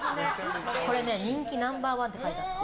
これね人気ナンバー１って書いてあった。